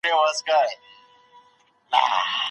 وینا هغه وخت مړه کېږي چې تشه ادا ولري.